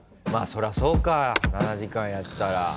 まあそりゃそうか７時間やったら。